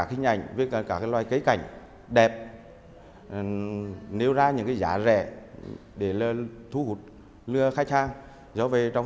tình trạng với các loại cây cảnh đẹp nêu ra những cái giá rẻ để lên thu hút lừa khách hàng do về trong